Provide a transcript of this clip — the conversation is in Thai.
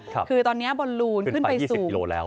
คือตอนนี้บนรูนขึ้นไปสูง